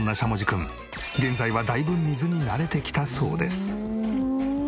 君現在はだいぶ水に慣れてきたそうです。